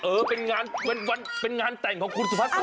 เออเป็นงานเป็นงานแต่งของคุณสุภาคสาหกษ์